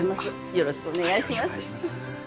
よろしくお願いします